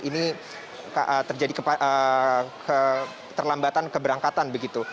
ini terjadi terlambatan keberangkatan